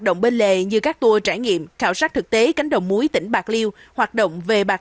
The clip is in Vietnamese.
động bên lề như các tour trải nghiệm khảo sát thực tế cánh đồng muối tỉnh bạc liêu hoạt động về bạc